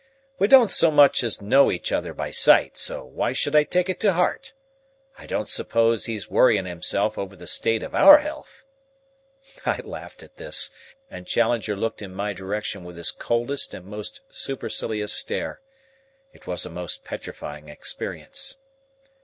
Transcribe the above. "We don't so much as know each other by sight, so why should I take it to heart? I don't suppose he's worryin' himself over the state of our health." I laughed at this, and Challenger looked in my direction with his coldest and most supercilious stare. It was a most petrifying experience.